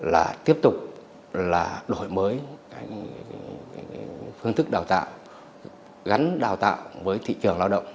là tiếp tục là đổi mới phương thức đào tạo gắn đào tạo với thị trường lao động